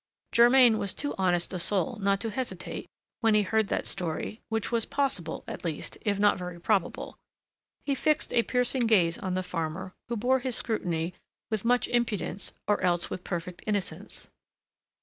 Germain was too honest a soul not to hesitate when he heard that story, which was possible at least, if not very probable. He fixed a piercing gaze on the farmer, who bore his scrutiny with much impudence or else with perfect innocence.